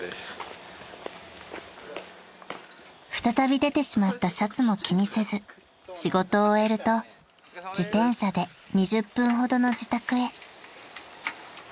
［再び出てしまったシャツも気にせず仕事を終えると自転車で２０分ほどの自宅へ］